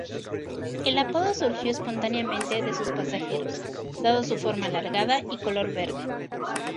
El apodo surgió espontáneamente de sus pasajeros, dado su forma alargada y color verde.